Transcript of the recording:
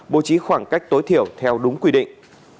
bố trí khoảng cách tối thiểu theo đúng quy định